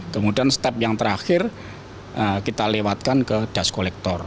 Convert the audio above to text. kemudian step yang terakhir kita lewatkan ke dash collector